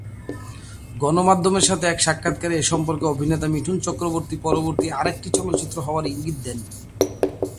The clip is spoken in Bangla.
গণমাধ্যমের সাথে এক সাক্ষাতকারে এ সম্পর্কে অভিনেতা মিঠুন চক্রবর্তী পরবর্তী আরেকটি চলচ্চিত্র হওয়ার ইঙ্গিত দেন।